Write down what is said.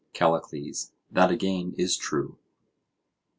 CALLICLES: That again is true.